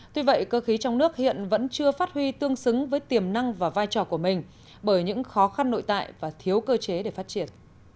tuy vậy cơ khí trong nước hiện vẫn chưa phát huy tương xứng với tiềm năng và vai trò của mình bởi những khó khăn nội tại và thiếu cơ chế để phát triển